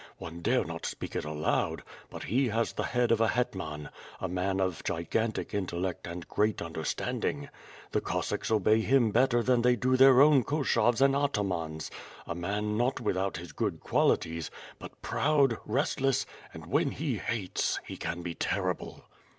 One dare not speak it aloud, but he has the head of a Hetman; a man of gigantic intellect and great understanding. The Cossacks obey him better than they do their own Koshovs and Ata mans; a man not without his good qualities, but proud, rest less, and when he hates — he can be terrible."